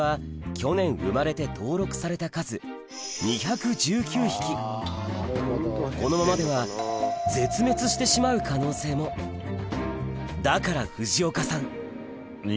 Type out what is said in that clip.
去年生まれて登録された数このままでは絶滅してしまう可能性もだから藤岡さん